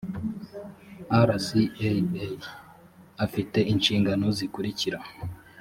rcaa afite inshingano zikurikira